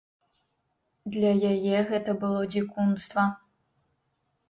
Для яе гэта было дзікунства.